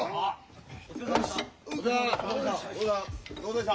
お疲れさまでした。